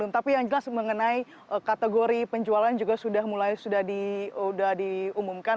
tapi yang jelas mengenai kategori penjualan juga sudah mulai sudah diumumkan